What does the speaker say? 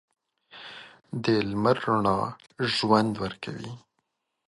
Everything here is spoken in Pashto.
د لمر رڼا ژوند ورکوي.